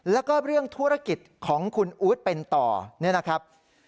แล้วก็เรื่องธุรกิจของคุณอู๊ดเป็นต่อเนี่ยนะครับ